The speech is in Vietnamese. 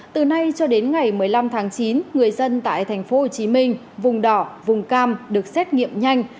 từ nay cho đến ngày một mươi năm tháng chín người dân tại tp hcm vùng đỏ vùng cam được xét nghiệm nhanh